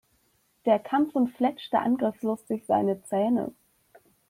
Der Kampfhund fletschte angriffslustig seine Zähne.